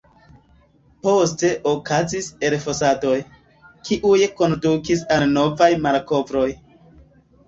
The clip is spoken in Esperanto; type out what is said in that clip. Poste okazis elfosadoj, kiuj kondukis al novaj malkovroj.